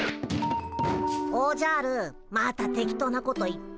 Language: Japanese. おじゃるまたテキトーなこと言って。